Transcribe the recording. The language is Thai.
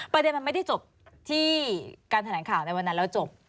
ประเด็นมันไม่ได้จบที่การแถลงข่าวในวันนั้นแล้วจบ